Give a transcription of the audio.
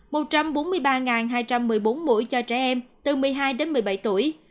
một trăm bốn mươi ba hai trăm một mươi bốn mũi cho trẻ em từ một mươi hai đến một mươi bảy tuổi